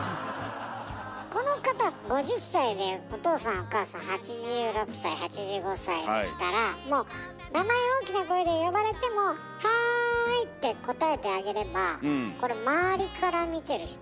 この方５０歳でお父さんお母さん８６歳８５歳でしたらもう名前大きな声で呼ばれても「はい」って応えてあげればこれ周りから見てる人はよ？